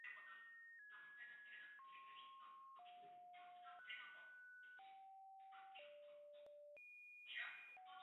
甘露聚糖结合凝集素是一种在先天免疫系统中起作用的凝集素。